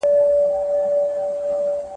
بې گودره مه گډېږه!